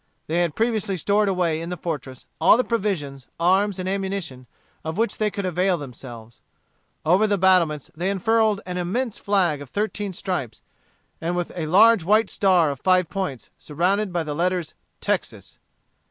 They had previously stored away in the fortress all the provisions, arms, and ammunition, of which they could avail themselves. Over the battlements they unfurled an immense flag of thirteen stripes, and with a large white star of five points, surrounded by the letters "Texas."